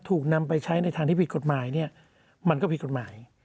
ถูกนำไปใช้ในทางที่ผิดกฎหมายเนี่ยมันก็ผิดกฎหมาย